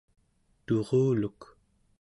turuluk